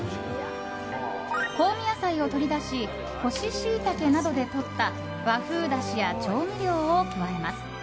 香味野菜を取り出し干しシイタケなどでとった和風だしや、調味料を加えます。